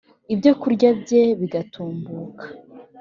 ibyokurya bye bigatubuka